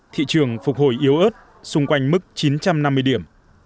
thị trường phục hồi yếu ớt xung quanh mức chín trăm năm mươi điểm